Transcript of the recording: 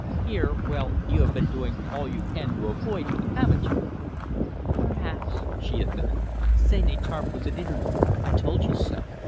Here well, you have been doing all you can to avoid me, haven't you?" "Perhaps," she admitted. "St. Étarpe was an interlude. I told you so.